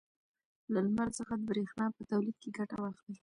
له لمر څخه د برېښنا په تولید کې ګټه واخلئ.